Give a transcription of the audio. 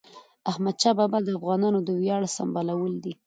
احمدشاه بابا د افغانانو د ویاړ سمبول دی.